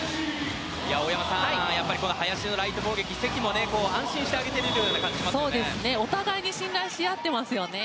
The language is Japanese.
大山さん、林のライト攻撃関も安心してお互いに信頼し合ってますよね。